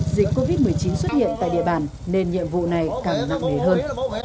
dịch covid một mươi chín xuất hiện tại địa bàn nên nhiệm vụ này càng nặng nề hơn